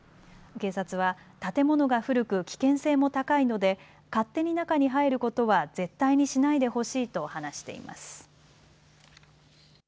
警察は建物が古く危険性も高いので勝手に中に入ることは絶対にしないでほしいと話しています。